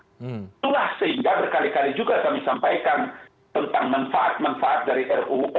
itulah sehingga berkali kali juga kami sampaikan tentang manfaat manfaat dari ruu